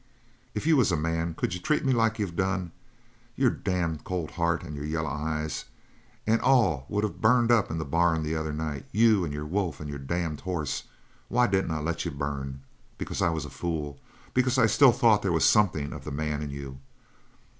"If you was a man, could you treat me like you've done? Your damned cold heart and your yaller eyes and all would of burned up in the barn the other night you and your wolf and your damned hoss. Why didn't I let you burn? Because I was a fool. Because I still thought they was something of the man in you.